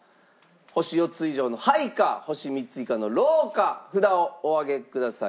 星４つ以上のハイか星３つ以下のローか札をお上げください。